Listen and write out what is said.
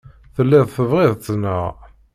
Telliḍ tebɣiḍ-t, naɣ?